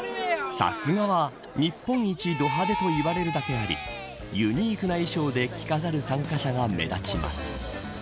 さすがは、日本一ど派手といわれるだけありユニークな衣装で着飾る参加者が目立ちます。